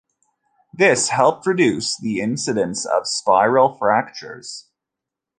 This helped reduce the incidence of spiral fractures.